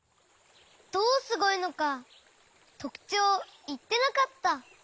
どうすごいのかとくちょうをいってなかった。